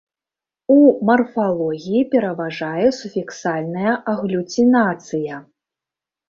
У марфалогіі пераважае суфіксальная аглюцінацыя.